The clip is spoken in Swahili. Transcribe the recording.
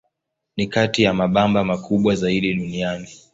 Ni kati ya mabamba makubwa zaidi duniani.